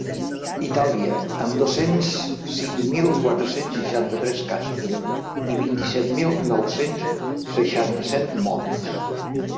Itàlia, amb dos-cents cinc mil quatre-cents seixanta-tres casos i vint-i-set mil nou-cents seixanta-set morts.